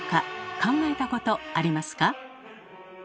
考えたことありますか？